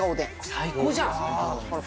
最高じゃん！